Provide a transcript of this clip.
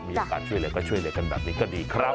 มีโอกาสช่วยเหลือก็ช่วยเหลือกันแบบนี้ก็ดีครับ